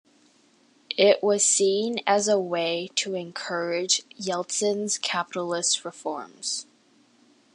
It was seen as a way to encourage Yeltsin's capitalist reforms.